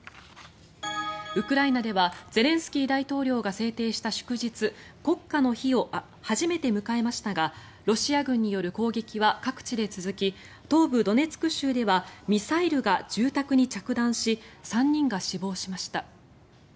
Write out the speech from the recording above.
ウクライナではゼレンスキー大統領が制定した祝日国家の日を初めて迎えましたがロシア軍による攻撃は各地で続き東部ドネツク州ではミサイルが住宅に着弾し３人が死亡しました。